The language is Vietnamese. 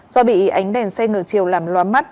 do bị ánh đèn xe ngược chiều làm loạn